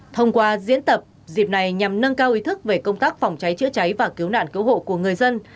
thông qua diễn tập dịp này nhằm nâng cao ý thức về công tác phòng cháy chữa cháy và cứu nạn cứu hộ của người dân